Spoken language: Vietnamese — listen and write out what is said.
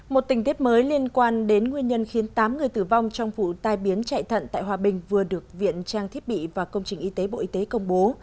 một tình tiết mới liên quan đến nguyên nhân khiến tám người tử vong trong vụ tai biến chạy thận tại hòa bình vừa được viện trang thiết bị và công trình y tế bộ y tế công bố